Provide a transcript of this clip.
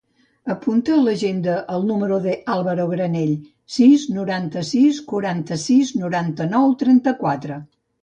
Apunta a l'agenda el número del Álvaro Granell: sis, noranta-sis, quaranta-sis, noranta-nou, trenta-quatre.